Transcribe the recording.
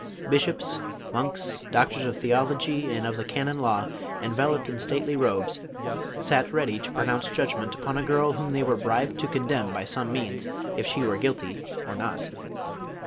Bishops, monks, doctors of theology and of the canon law, en veloped in stately robes, sat ready to pronounce judg ment upon a girl whom they were bribed to condemn by some means, if she were guilty or not.